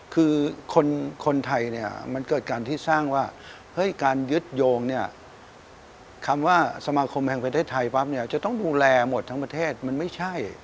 คือคนไทยเนี่ยมันเกิดการที่สร้างว่าเฮ้ยการยึดโยงเนี่ยคำว่าสมาคมแห่งประเทศไทยปั๊บเนี่ยจะต้องดูแลหมดทั้งประเทศมันไม่ใช่